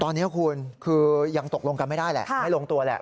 ตอนนี้คุณคือยังตกลงกันไม่ได้แหละไม่ลงตัวแหละ